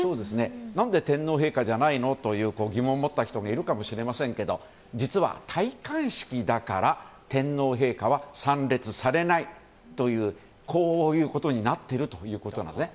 何で天皇陛下じゃないの？という疑問を持った人もいるかもしれませんが実は、戴冠式だから天皇陛下は参列されないということになっているということです。